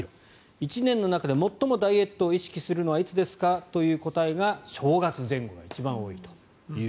１年の中で最もダイエットを意識するのはいつですか？という答えが正月前後が一番多いと。